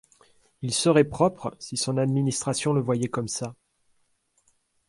Il serait propre, si son administration le voyait comme ça !